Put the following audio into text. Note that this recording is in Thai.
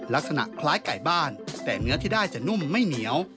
ลักษณะคล้ายไก่บ้านแต่เนื้อที่ได้จะนุ่มไม่เหนียว